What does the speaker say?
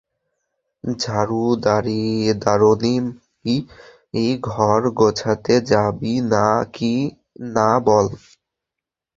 ঝাড়ুদারনি মাগী, ঘর গোছাতে যাবি কি না বল?